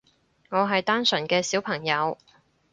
我係單純嘅小朋友